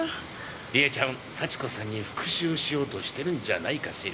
理恵ちゃん幸子さんに復讐しようとしてるんじゃないかしら？